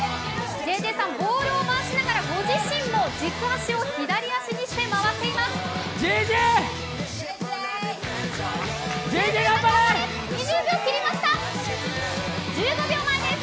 ＪＪさんボールを回しながらご自身も左足を軸足にして回っています。